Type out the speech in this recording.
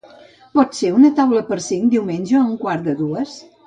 Pot ser una taula per cinc, diumenge, a un quart de dues?